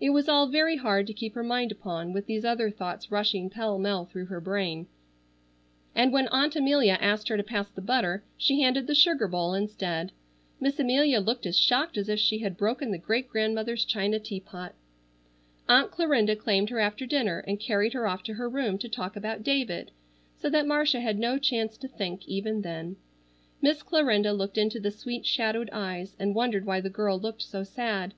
It was all very hard to keep her mind upon, with these other thoughts rushing pell mell through her brain; and when Aunt Amelia asked her to pass the butter, she handed the sugar bowl instead. Miss Amelia looked as shocked as if she had broken the great grandmother's china teapot. Aunt Clarinda claimed her after dinner and carried her off to her room to talk about David, so that Marcia had no chance to think even then. Miss Clarinda looked into the sweet shadowed eyes and wondered why the girl looked so sad.